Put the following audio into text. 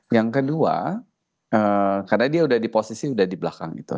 yang kedua karena dia udah di posisi sudah di belakang itu